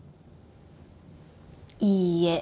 いいえ。